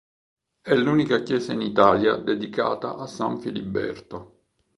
È l'unica chiesa in Italia dedicata a San Filiberto.